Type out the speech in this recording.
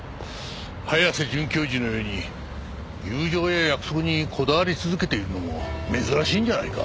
早瀬准教授のように友情や約束にこだわり続けているのも珍しいんじゃないか？